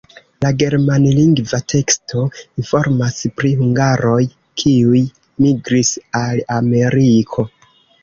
La germanlingva teksto informas pri hungaroj, kiuj migris al Ameriko.